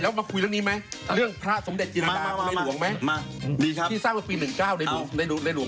เรามาคุยเรื่องพระสมเด็จจีรดาในหลวงไหมที่สร้างกันปี๑๙ในหลวง